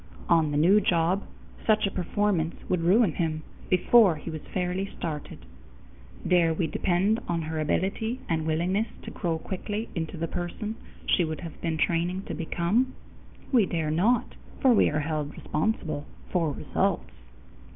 On the new job, such a performance would ruin him before he was fairly started. Dare we depend on her ability and willingness to grow quickly into the person she would have been training to become? We dare not, for we are held responsible for results!